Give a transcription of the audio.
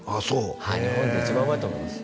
へえ日本で一番うまいと思います